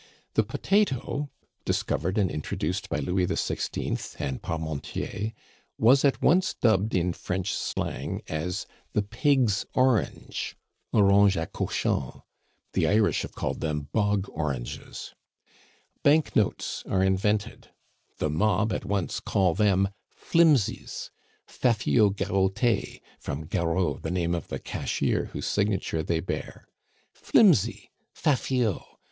The potato, discovered and introduced by Louis XVI. and Parmentier, was at once dubbed in French slang as the pig's orange (Orange a Cochons)[the Irish have called them bog oranges]. Banknotes are invented; the "mob" at once call them Flimsies (fafiots garotes, from "Garot," the name of the cashier whose signature they bear). Flimsy! (fafiot.)